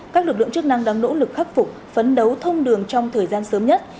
các lực lượng chức năng đang nỗ lực khắc phục phấn đấu thông đường trong thời gian sớm nhất